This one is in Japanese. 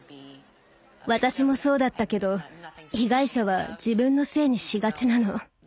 私もそうだったけど被害者は自分のせいにしがちなの。